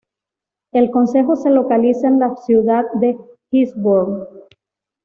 El concejo se localiza en la ciudad de Gisborne.